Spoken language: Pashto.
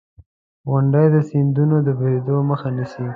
• غونډۍ د سیندونو د بهېدو مخه نیسي.